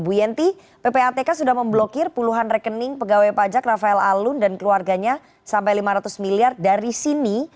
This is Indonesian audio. bu yenti ppatk sudah memblokir puluhan rekening pegawai pajak rafael alun dan keluarganya sampai lima ratus miliar dari sini